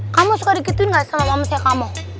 kamu suka dikitin gak sama mamah saya kamu